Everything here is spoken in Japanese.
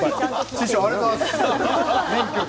師匠ありがとうございます。